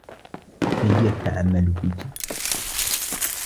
هي تعمل بجد.